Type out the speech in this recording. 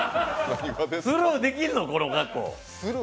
スルーできんの、この格好？